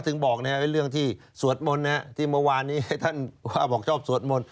ก็ถึงบอกเรื่องที่สวดมนต์นะครับที่เมื่อวานนี้ท่านว่าบอกชอบสวดมนต์